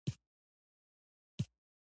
چپه خوله، د شعور خزانه ده.